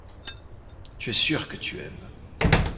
Tu es sûr que tu aimes.